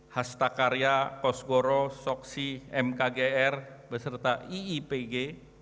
hastakarya kosgoro soksi mkgr beserta iipg